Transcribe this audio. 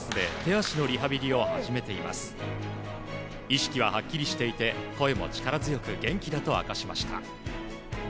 意識ははっきりしていて声も力強く元気だと明かしました。